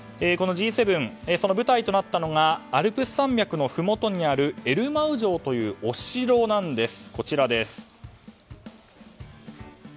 Ｇ７の舞台となったのがアルプス山脈のふもとにあるエルマウ城というお城なんです。